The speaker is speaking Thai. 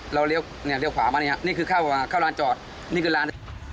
เราเลี่ยวขวามานี่ครับนี่คือเข้าร้านจอดนี่คือร้าน